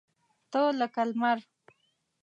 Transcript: تۀ لکه لمر !